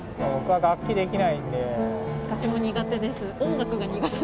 私も苦手です。